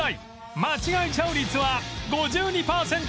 間違えちゃう率は５２パーセント